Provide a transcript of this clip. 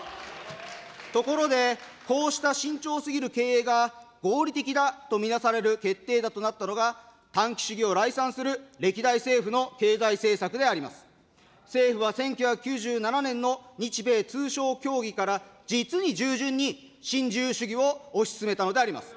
ところで、こうした慎重すぎる経営が合理的だと見なされる決定打となったのが、短期主義を礼賛する歴代政府の経済政策であります。政府は１９９７年の日米通商協議から、実に従順に新自由主義を推し進めたのであります。